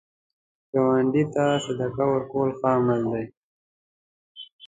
ګاونډي ته صدقه ورکول ښه عمل دی